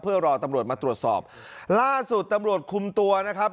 เพื่อรอตำรวจมาตรวจสอบล่าสุดตำรวจคุมตัวนะครับ